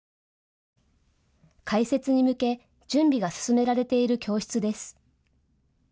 開設に向け、準備が進められている教室です。